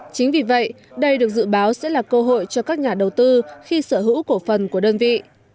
chính vì vậy đây được dự báo sẽ là cơ hội cho các nhà đầu tư khi sở hữu cổ phần của đơn vị